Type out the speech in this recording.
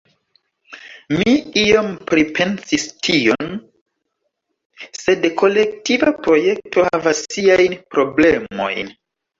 Mi iom pripensis tion, sed kolektiva projekto havas siajn problemojn.